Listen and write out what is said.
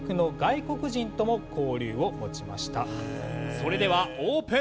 それではオープン！